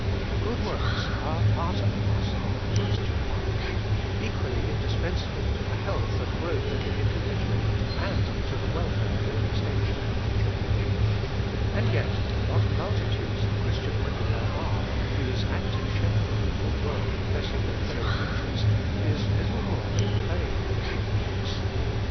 Good works are part and parcel of the Christian life, equally indispensable to the health and growth of the individual, and to the welfare and extension of the Church. And yet what multitudes of Christian women there are whose active share in the good work of blessing their fellow creatures is little more than playing at good works.